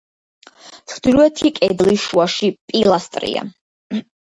ჩრდილოეთი კედლის შუაში პილასტრია.